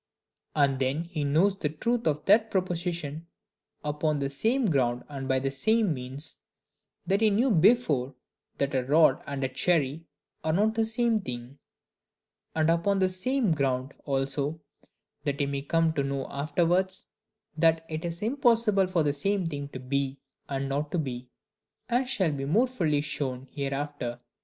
And then he knows the truth of that proposition upon the same ground and by the same means, that he knew before that a rod and a cherry are not the same thing; and upon the same ground also that he may come to know afterwards "That it is impossible for the same thing to be and not to be," as shall be more fully shown hereafter.